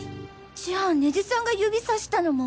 じゃあ根津さんが指差したのも。